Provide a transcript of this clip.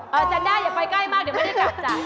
จันด้าอย่าไปใกล้มากเดี๋ยวไม่ได้กลับจ้ะ